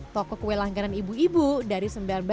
toko kue langganan ibu ibu dari seribu sembilan ratus sembilan puluh